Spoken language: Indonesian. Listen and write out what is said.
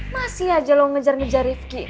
masih aja lo ngejar ngejar rifki